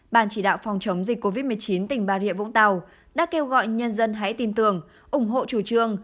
ban chỉ đạo phòng chống dịch covid một mươi chín tỉnh bà rịa vũng tàu đã kêu gọi nhân dân hãy tin tưởng ủng hộ chủ trương